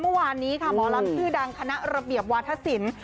เมื่อวานนี้ค่ะหมอลำชื่อดังคณะระเบียบวาธศิลป์